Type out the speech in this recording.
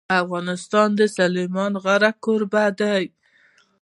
افغانستان د سلیمان غر کوربه دی.